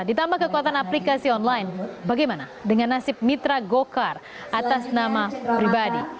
ditambah kekuatan aplikasi online bagaimana dengan nasib mitra gokar atas nama pribadi